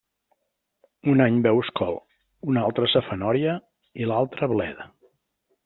Un any veus col; un altre, safanòria, i l'altre, bleda.